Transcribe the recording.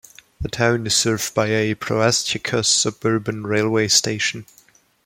The town is served by a Proastiakos suburban railway station.